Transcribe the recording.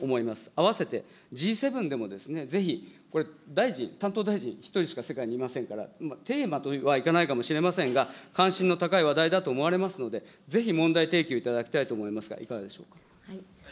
あわせて、Ｇ７でもぜひこれ、大臣、担当大臣、一人しか世界にいませんから、テーマとはいかないかもしれませんが、関心の高い話題だと思われますので、ぜひ問題提起をいただきたいと思いますが、いかがでしょうか。